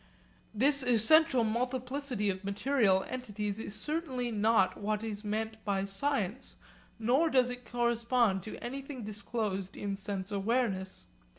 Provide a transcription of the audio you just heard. This essential multiplicity of material entities is certainly not what is meant by science, nor does it correspond to anything disclosed in sense awareness.